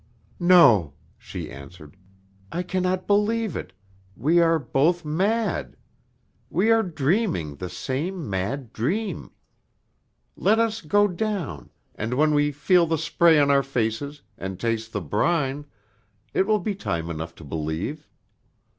"No," she answered. "I cannot believe it; we are both mad. We are dreaming the same mad dream; let us go down, and when we feel the spray on our faces, and taste the brine, it will be time enough to believe."